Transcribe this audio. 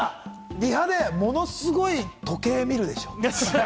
リハでものすごい時計見るでしょ？